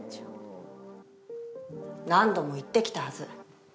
何度も言ってきたはず。